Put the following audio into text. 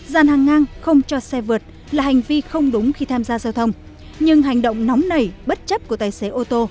giàn hàng ngang không cho xe vượt là hành vi không đúng khi tham gia giao thông nhưng hành động nóng này bất chấp của tài xế ô tô cũng rất đáng lên án